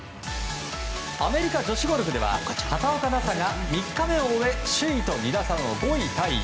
アメリカ女子ゴルフでは畑岡奈紗が３日目を終え首位と２打差の５位タイ。